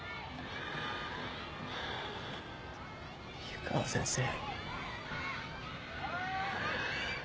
湯川先生。